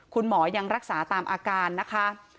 คุณหมอยังรักษาตามอาการนะคะ